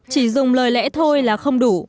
chỉ dùng lời lẽ thôi là không đủ